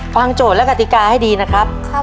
โจทย์และกติกาให้ดีนะครับ